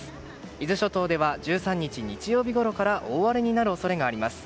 伊豆諸島では１３日、日曜日ごろから大荒れになる恐れがあります。